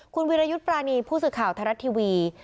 คุณวิรยุทธ์ปรานีผู้สื่อข่าวไทยรัฐทีวี